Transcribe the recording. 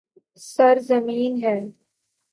سرزمین ہے